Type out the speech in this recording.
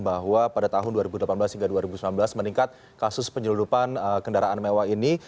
bahwa pada tahun dua ribu delapan belas hingga dua ribu sembilan belas meningkat kasus penyelundupan kendaraan mewah ini